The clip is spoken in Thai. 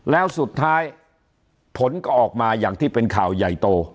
แล้วสุดท้ายผลก็ออกมาอย่างที่เป็นข่าวใหญ่โต